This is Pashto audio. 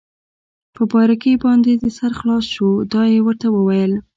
په باریکۍ باندې دې سر خلاص شو؟ دا يې ورته وویل.